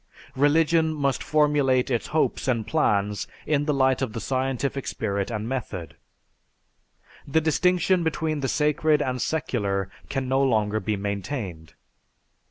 "Religion must formulate its hopes and plans in the light of the scientific spirit and method. "The distinction between the sacred and secular can no longer be maintained.